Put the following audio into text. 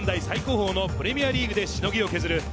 最高峰のプレミアリーグでしのぎを削る